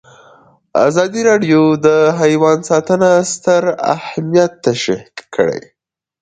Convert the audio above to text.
ازادي راډیو د حیوان ساتنه ستر اهميت تشریح کړی.